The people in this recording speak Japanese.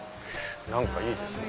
何かいいですね。